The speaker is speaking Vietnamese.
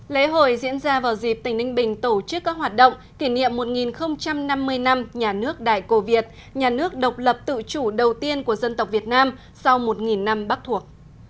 lễ hội diễn ra vào dịp tỉnh ninh bình tổ chức các hoạt động kỷ niệm một năm mươi năm nhà nước đại cổ việt nhà nước độc lập tự chủ đầu tiên của dân tộc việt nam sau một năm bắc thuộc